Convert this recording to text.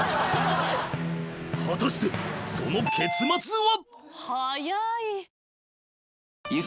［果たしてその結末は⁉］